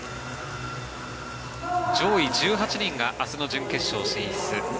上位１８人が明日の準決勝進出。